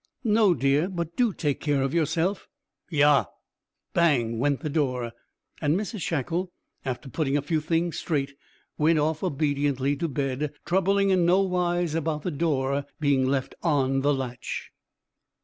"No, dear. But do take care of yourself." "Yah!" Bang went the door, and Mrs Shackle, after putting a few things straight, went off obediently to bed, troubling in no wise about the door being left on the latch.